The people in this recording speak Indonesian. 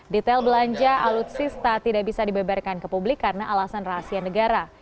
detail belanja alutsista tidak bisa dibeberkan ke publik karena alasan rahasia negara